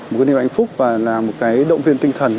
một cái niềm hạnh phúc và là một cái động viên tinh thần